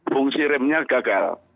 fungsi remnya gagal